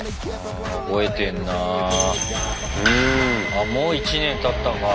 あもう１年たったか。